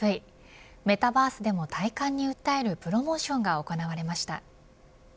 メタバースでも体感に訴えるプロモーションが行われました。